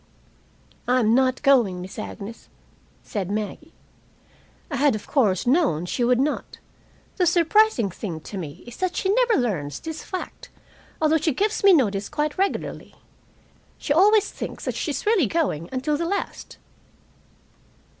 "I'm not going, Miss Agnes," said Maggie. (I had, of course, known she would not. The surprising thing to me is that she never learns this fact, although she gives me notice quite regularly. She always thinks that she is really going, until the last.)